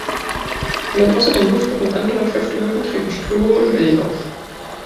Wenn außer dem Luftdruck noch andere Kräfte wirken, treten Strömungen und Wellen auf.